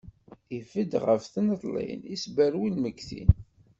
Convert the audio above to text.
Ibedd ɣef tneṭlin, isberwi lmeggtin.